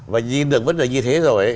và nhìn được vấn đề như thế rồi